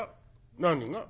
「何が？」。